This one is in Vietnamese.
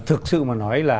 thực sự mà nói là